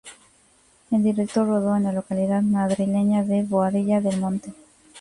El director rodó en la localidad madrileña de Boadilla del Monte.